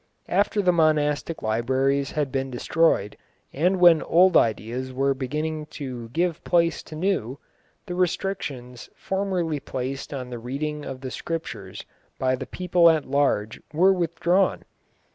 After the monastic libraries had been destroyed, and when old ideas were beginning to give place to new, the restrictions formerly placed on the reading of the Scriptures by the people at large were withdrawn.